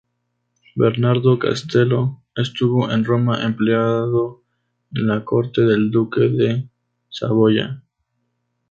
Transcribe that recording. Bernardo Castello estuvo en Roma, empleado en la corte del duque de Saboya.